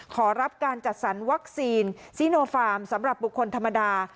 ขอรับการจัดสรรวัคซีนซีโนฟาร์มสำหรับบุคคลธรรมดา